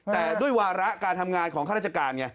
แต่ด้วยวาระการทำงานของข้าราชการไง